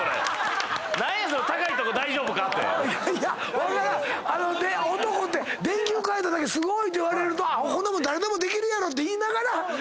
だから男って電球替えただけで「すごい！」って言われるとこんなもん誰でもできるやろって言いながら。